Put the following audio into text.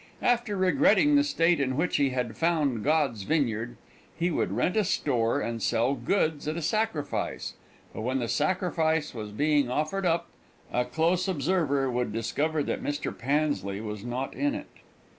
After regretting the state in which he had found God's vineyard, he would rent a store and sell goods at a sacrifice, but when the sacrifice was being offered up, a close observer would discover that Mr. Pansley was not in it.